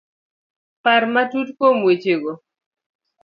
Par matut kuom wechego.